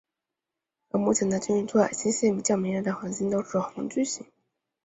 而目前在鲸鱼座矮星系里较明亮恒星都是红巨星。